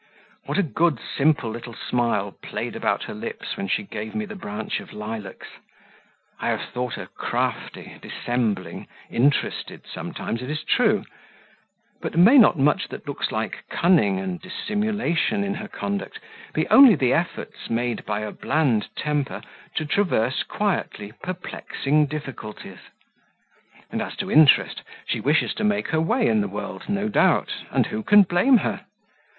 What a good, simple little smile played about her lips when she gave me the branch of lilacs! I have thought her crafty, dissembling, interested sometimes, it is true; but may not much that looks like cunning and dissimulation in her conduct be only the efforts made by a bland temper to traverse quietly perplexing difficulties? And as to interest, she wishes to make her way in the world, no doubt, and who can blame her?